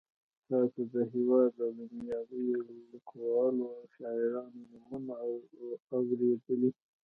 تاسو د هېواد له نومیالیو لیکوالو او شاعرانو نومونه اورېدلي.